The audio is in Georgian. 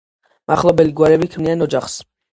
მახლობელი გვარები ქმნიან ოჯახს.